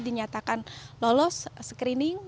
dinyatakan lolos screening